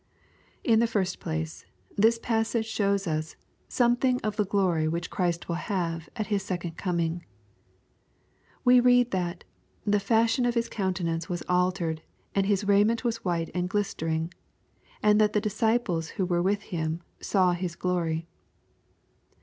In the first place, this passage shows us something of the glory which Christ will have at His second coming. We read that ^^the fashion of His countenance was altered, and His raiment was white and glistering," and that the disciples who were with Him " saw His glory."